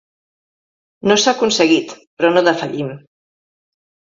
No s'ha aconseguit, però no defallim.